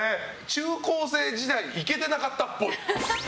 中高生時代イケてなかったっぽい。